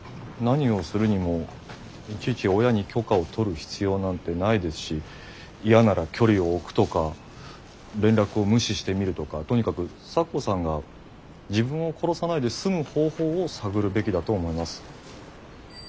何をするにもいちいち親に許可を取る必要なんてないですし嫌なら距離を置くとか連絡を無視してみるとかとにかく咲子さんが自分を殺さないで済む方法を探るべきだと思います。